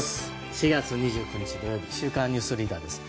４月２９日、土曜日「週刊ニュースリーダー」です。